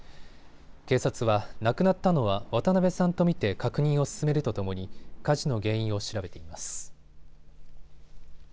警察は亡くなったのは渡邊さんと見て確認を進めるとともに火事の原因を調べています。